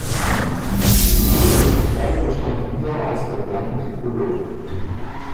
Die bürgerliche Flagge bestand wieder aus der blanken Trikolore.